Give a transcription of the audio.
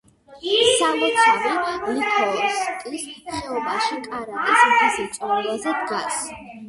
სალოცავი ლიქოკის ხეობაში, კარატის მთის მწვერვალზე დგას.